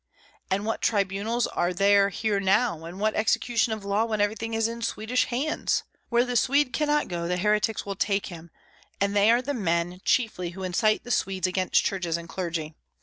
And what tribunals are there here now, and what execution of law when everything is in Swedish hands? Where the Swede cannot go the heretics will take him, and they are the men chiefly who incite the Swedes against churches and clergy.